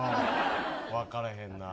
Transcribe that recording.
分からへんな。